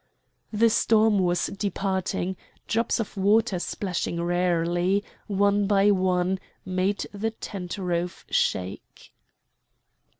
The storm was departing; drops of water splashing rarely, one by one, made the tent roof shake.